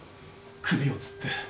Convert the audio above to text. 首をつって。